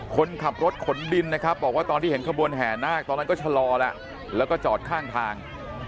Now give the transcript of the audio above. คนขับรถขนดินนะครับบอกว่าตอนที่เห็นขบวนแห่นาคตอนนั้นก็ชะลอแล้วแล้วก็จอดข้างทาง